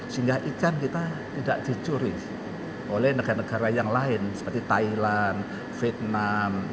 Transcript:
sehingga ikan kita tidak dicuri oleh negara negara yang lain seperti thailand vietnam